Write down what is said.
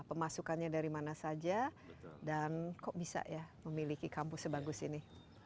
pemasukannya dari mana saja dan kok bisa ya memiliki kampus sebagus ini